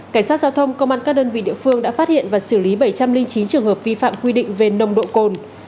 cảnh sát giao thông công an các đơn vị địa phương đã phát hiện và xử lý bảy trăm linh chín trường hợp vi phạm quy định về nồng độ cồn